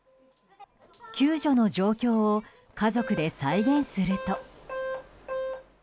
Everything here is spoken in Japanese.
救助の状況を家族で再現すると。